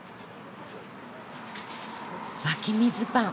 湧き水パン